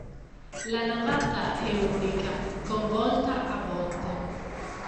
La navata è unica con volta a botte.